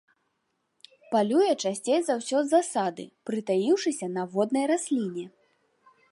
Палюе часцей за ўсё з засады, прытаіўшыся на воднай расліне.